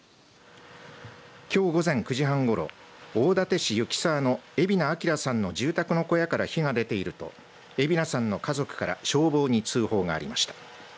きょう午前９時半ごろ大館市雪沢の蝦名明さんの住宅の小屋から火が出ていると蝦名さんの家族から消防に通報がありました。